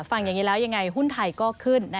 ฟังอย่างนี้แล้วยังไงหุ้นไทยก็ขึ้น